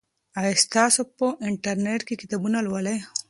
آیا تاسو په انټرنیټ کې کتابونه لولئ؟